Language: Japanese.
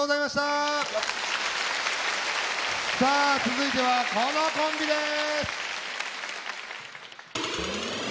さあ続いてはこのコンビです！